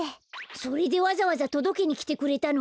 それでわざわざとどけにきてくれたの？